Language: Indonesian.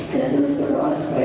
dan terus berdoa supaya